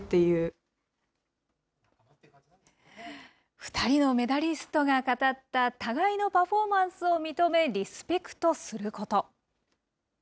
２人のメダリストが語った互いのパフォーマンスを認め、リスペクトすること。